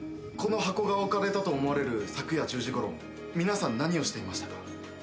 この箱が置かれたと思われる昨夜１０時ごろ皆さん何をしていましたか？